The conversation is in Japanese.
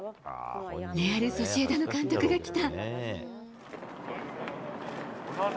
レアルソシエダの監督が来た。